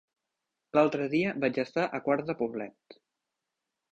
L'altre dia vaig estar a Quart de Poblet.